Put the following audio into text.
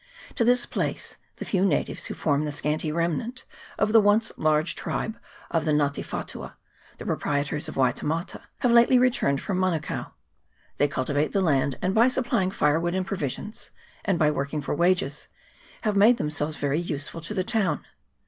To this place the few natives who form the scanty rem nant of the once large tribe of the Nga te whatua, the proprietors of Waitemata, have lately returned from Manukao ; they cultivate the land, and by supplying firewood and provisions, and by work ing for wages, have made themselves very useful to the town.